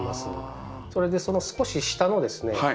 それでその少し下のですね